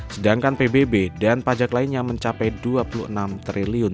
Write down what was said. sedangkan pbb dan pajak lainnya mencapai rp dua puluh enam triliun